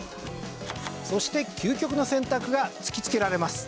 そして究極の選択が突きつけられます。